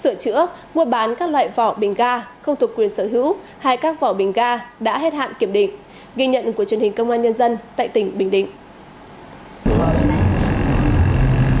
sửa chữa mua bán các loại vỏ bình ga không thuộc quyền sở hữu hay các vỏ bình ga đã hết hạn kiểm định ghi nhận của truyền hình công an nhân dân tại tỉnh bình định